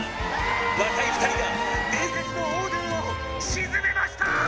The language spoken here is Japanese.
若い２人が伝説のオードゥンを沈めました！！」